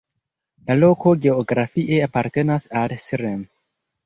La loko geografie apartenas al Srem.